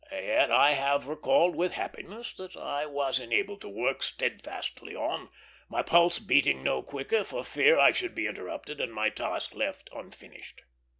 Yet I have recalled with happiness that I was enabled to work steadfastly on, my pulse beating no quicker for fear I should be interrupted and my task left unfinished.